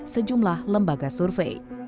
sejumlah lembaga survei